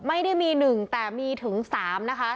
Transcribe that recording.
ไม่ได้มีหนึ่งแต่มีถึงสามนะคะ